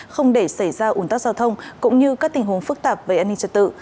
không để xảy ra ủn tắc giao thông cũng như các tình huống phức tạp về an ninh trật tự